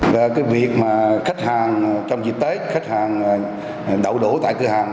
cái việc mà khách hàng trong dịp tết khách hàng đậu đỗ tại cửa hàng